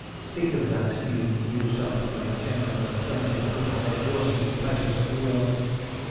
Think of that, you 'used up' young gentlemen of twenty, who have exhausted the pleasures of the world!